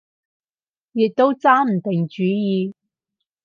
亦都揸唔定主意